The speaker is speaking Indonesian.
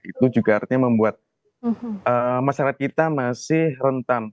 itu juga artinya membuat masyarakat kita masih rentan